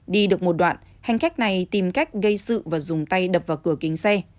đi được một đoạn hành khách này tìm cách gây sự và dùng tay đập vào cửa kính xe